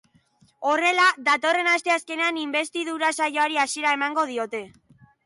Horrela, datorren asteazkenean inbestidura saioari hasiera emango diote.